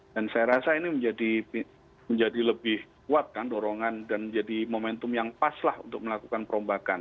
dan saya rasa ini menjadi lebih kuat kan dorongan dan jadi momentum yang pas lah untuk melakukan perombakan